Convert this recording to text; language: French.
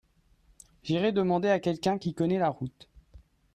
J'irai demander à quelqu'un qui connait la route.